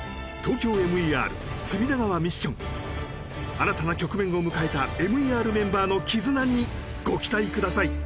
新たな局面を迎えたＭＥＲメンバーの絆にご期待ください